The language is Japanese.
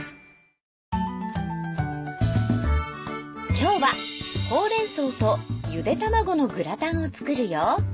今日はほうれん草とゆで卵のグラタンを作るよ。